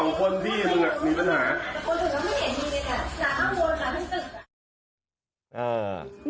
มึงสองคนพี่มึงอ่ะมีปัญหาแต่คนอื่นก็ไม่เห็นพี่เจ๊อ่ะหนาวนอ่ะทั้งตึก